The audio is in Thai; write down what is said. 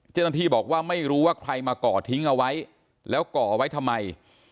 เจ้าหน้าที่บอกว่าไม่รู้ว่าใครมาก่อทิ้งเอาไว้แล้วก่อไว้ทำไม